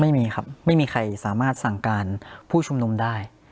ไม่มีครับไม่มีใครสามารถสั่งการผู้ชุมนุมได้